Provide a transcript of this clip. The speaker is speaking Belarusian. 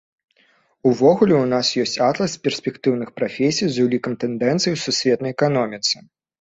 Увогуле, у нас ёсць атлас перспектыўных прафесій з улікам тэндэнцый у сусветнай эканоміцы.